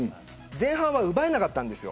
前半は奪えなかったんです。